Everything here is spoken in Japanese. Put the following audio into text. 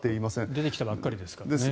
出てきたばっかりですからね。